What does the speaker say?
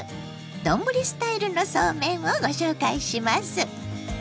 丼スタイルのそうめんをご紹介します。